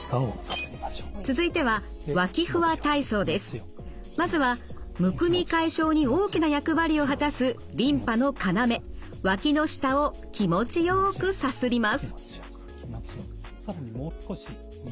続いてはまずはむくみ解消に大きな役割を果たすリンパの要脇の下を気持ちよくさすります。